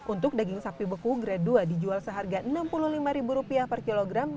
untuk daging sapi beku grade dua dijual seharga rp enam puluh lima per kilogram